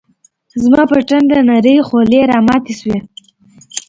زما پر ټنډه نرۍ خولې راماتي شوې